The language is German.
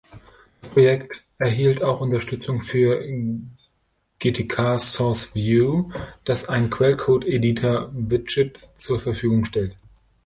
Das Projekt erhielt auch Unterstützung für GtkSourceView, das ein Quellcode-Editor-Widget zur Verfügung stellt.